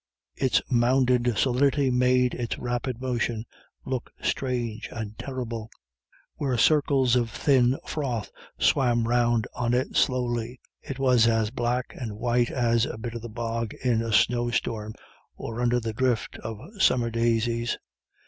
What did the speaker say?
Its mounded solidity made its rapid motion look strange and terrible. Where circles of thin froth swam round on it slowly, it was as black and white as a bit of the bog in a snowstorm or under a drift of summer daisies.